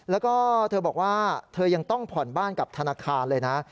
แล้วก็เธอบอกว่าเธอยังต้องผ่อนบ้านกับธนาคารเลยนะ